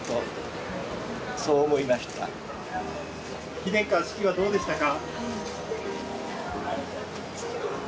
妃殿下式はどうでしたか？